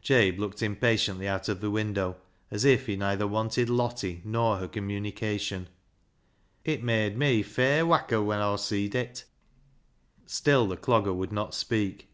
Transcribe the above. Jabe looked impatiently out of the window, as if he neither wanted Lottie nor her communication. " It made me fair whacker when Aw seed it." Still the Clogger would not speak.